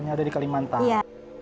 hanya ada di kalimantan iya